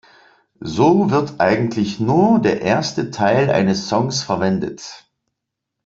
So wird eigentlich nur der erste Teil eines Songs verwendet.